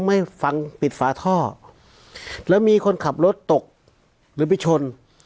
ไม่ฟังปิดฝาท่อแล้วมีคนขับรถตกหรือไปชน